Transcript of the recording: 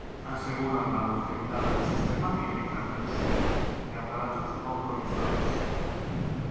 Aseguran la longevidad del sistema y evitan el uso de aparatos no autorizados.